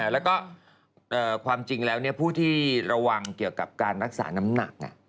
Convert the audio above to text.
แล้วก็ความจริงแล้วผู้ที่ระวังเกี่ยวกับการรักษาน้ำหนัก